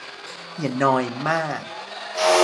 อย่านอยมาก